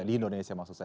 di indonesia maksud saya